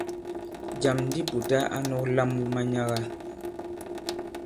Jàm di Pùta a nɔ̄k lam wu manyaga.